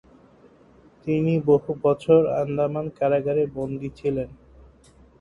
তিনি বহু বছর আন্দামান কারাগারে বন্দি ছিলেন।